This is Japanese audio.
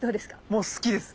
もう好きです！